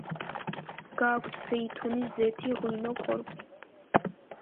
გააქვთ ზეითუნის ზეთი, ღვინო, კორპი.